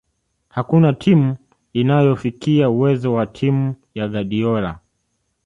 Hakuna timu inayofikia uwezo wa timu ya Guardiola